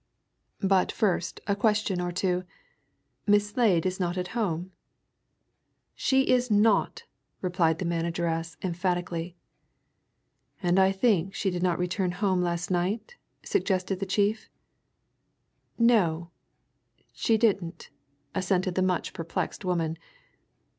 But first a question or two. Miss Slade is not at home?" "She is not!" replied the manageress emphatically. "And I think she did not return home last night?" suggested the chief. "No she didn't," assented the much perplexed woman.